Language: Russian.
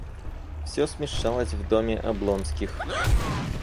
Всё смешалось в доме Облонских.